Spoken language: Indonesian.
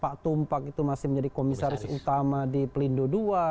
pak tumpak itu masih menjadi komisaris utama di pelindo ii